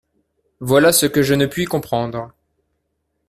Voilà ce que je ne puis comprendre.